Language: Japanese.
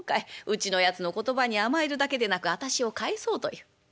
うちのやつの言葉に甘えるだけでなく私を帰そうという。